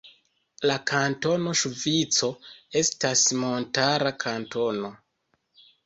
La Kantono Ŝvico estas montara kantono.